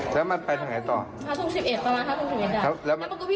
แล้วเขาวิ่งออกมาตอนแรกเขาจะวิ่งมาตรงนี้